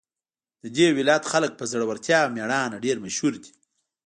د دې ولایت خلک په زړورتیا او میړانه ډېر مشهور دي